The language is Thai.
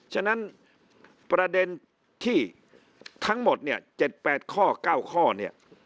ฉะนั้นประเด็นที่ทั้งหมดเนี่ย๗๘ข้อ๙ข้อเนี่ย